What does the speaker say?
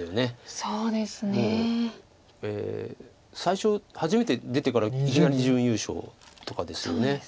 もう最初初めて出てからいきなり準優勝とかですよね。